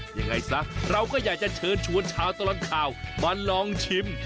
ยังไงซะเราก็อยากจะเชิญชวนชาวตลอดข่าวมาลองชิม